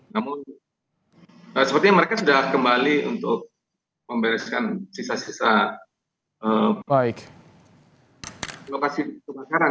namun sepertinya mereka sudah kembali untuk membereskan sisa sisa lokasi kebakaran